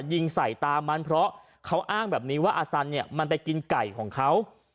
ยิงใส่ตามันเพราะเขาอ้างแบบนี้ว่าอาสันเนี่ยมันไปกินไก่ของเขา